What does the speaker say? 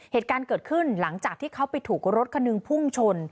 เหตุการณ์เกิดขึ้นหลังจากที่เขาไปถูกรถคันหนึ่งพุ่งชน